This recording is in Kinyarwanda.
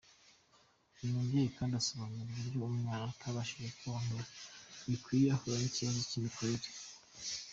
Uyu mubyeyi kandi asobanura uburyo umwana utabashije konka bikwiye ahura n’ikibazo cy’imikurire.